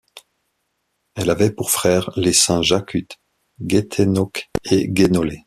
Elle avait pour frères les Saints Jacut, Guéthénoc et Guénolé.